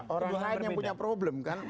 orang lain yang punya problem kan